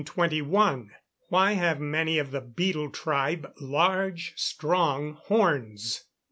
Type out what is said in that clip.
_Why have many of the beetle tribe large strong horns?